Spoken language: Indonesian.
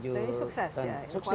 jadi sukses ya